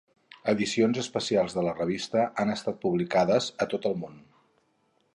Edicions especials de la revista han estat publicades a tot el món.